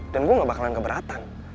dan gue gak bakalan keberatan